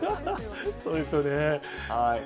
そうですよね。